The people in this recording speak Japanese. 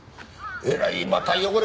えらいまた汚れて。